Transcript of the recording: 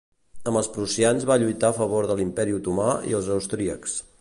Amb els prussians va lluitar a favor de l'Imperi Otomà i els austríacs.